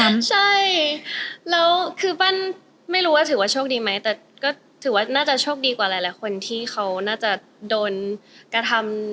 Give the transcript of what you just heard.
ใช่แล้วคือปั้นไม่รู้ว่าถือว่าโชคดีไหมแต่ก็ถือว่าน่าจะโชคดีกว่าหลายคนที่เขาน่าจะโดนกระทำ